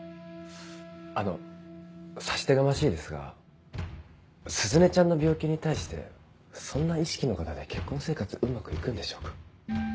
あの差し出がましいですが鈴音ちゃんの病気に対してそんな意識の方で結婚生活うまく行くんでしょうか？